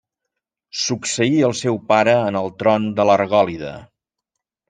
Succeí el seu pare en el tron de l'Argòlida.